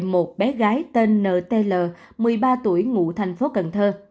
một bé gái tên n t l một mươi ba tuổi ngụ thành phố cần thơ